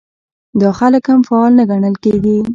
دا خلک هم فعال نه ګڼل کېږي.